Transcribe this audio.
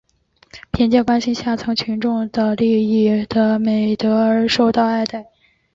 凭借关心下层群众的利益和美德而受到爱戴。